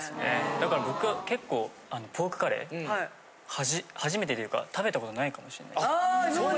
だから僕結構ポークカレーはじ初めてというか食べたことないかもしれないです。